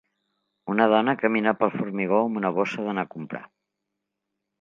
Una dona camina pel formigó amb una bossa d'anar a comprar